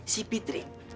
si fitri kapan dioperasinya